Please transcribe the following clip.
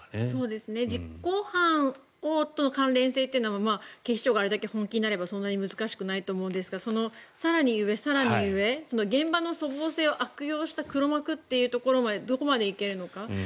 実行犯との関連性というのも警視庁があれだけ本気になればそんなに難しくないと思いますが更に上、更に上現場の粗暴性を悪用した黒幕っていうところまでどこまで行けるのか。